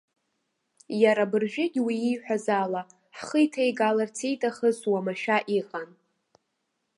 Иара абыржәыгь уи ииҳәаз ала, ҳхы иҭеигаларц ииҭахыз уамашәа иҟан.